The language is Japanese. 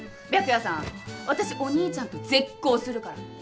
白夜さん私お兄ちゃんと絶交するから。